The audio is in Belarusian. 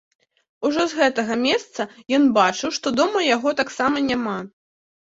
Ужо з гэтага месца ён бачыў, што дома яго таксама няма.